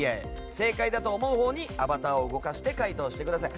正解だと思うほうにアバターを動かして回答してください。